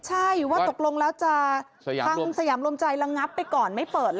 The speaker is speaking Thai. ใช่ว่าตกลงแล้วจะทางสยามรวมใจระงับไปก่อนไม่เปิด